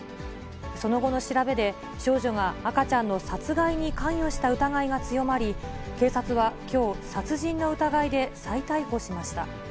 その後の調べで、少女が赤ちゃんの殺害に関与した疑いが強まり、警察はきょう、殺人の疑いで再逮捕しました。